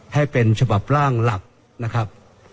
ให้เป็นฉบับร่างหลักนะครับ